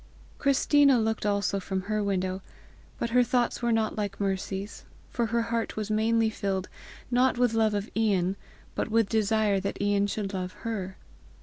Christina looked also from her window, but her thoughts were not like Mercy's, for her heart was mainly filled, not with love of Ian, but with desire that Ian should love her.